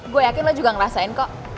gue yakin lo juga ngerasain kok